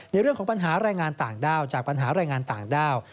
เรื่องของปัญหาแรงงานต่างด้าวจากปัญหาแรงงานต่างด้าว